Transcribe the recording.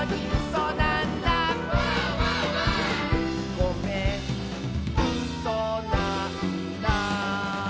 「ごめんうそなんだ」